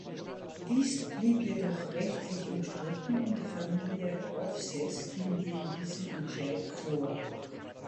Dies blieb jedoch rechtlich umstritten und die Familie Aufseß ging gegen diesen Entscheid vor.